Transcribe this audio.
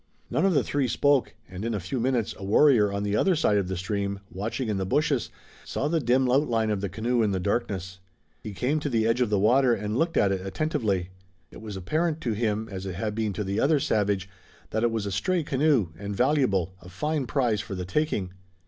None of the three spoke and in a few minutes a warrior on the other side of the stream, watching in the bushes, saw the dim outline of the canoe in the darkness. He came to the edge of the water and looked at it attentively. It was apparent to him, as it had been to the other savage, that it was a stray canoe, and valuable, a fine prize for the taking.